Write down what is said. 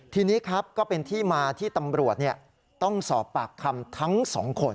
ทีนี้ครับก็เป็นที่มาที่ตำรวจต้องสอบปากคำทั้งสองคน